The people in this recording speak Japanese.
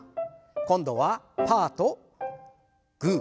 今度はパーとグー。